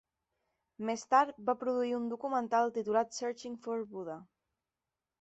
Més tard va produir un documental titulat "Searching for Buddha".